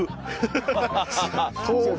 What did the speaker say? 豆腐？